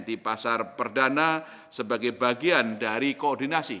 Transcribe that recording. di pasar perdana sebagai bagian dari koordinasi